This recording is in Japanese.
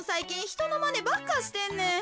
ひとのまねばっかしてんねん。